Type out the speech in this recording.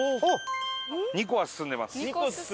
２個は進んでます。